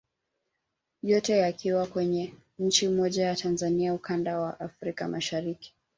Yote yakiwa kwenye nchi moja ya Tanzania ukanda wa Afrika Mashariki